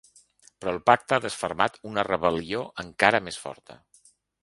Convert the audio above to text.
Però el pacte ha desfermat una rebel·lió encara més forta.